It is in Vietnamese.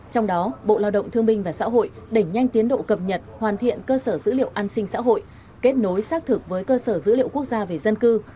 trong đó bộ lao động thương minh và xã hội đẩy nhanh tiến độ cập nhật hoàn thiện cơ sở dữ liệu an sinh xã hội kết nối xác thực với cơ sở dữ liệu quốc gia về dân cư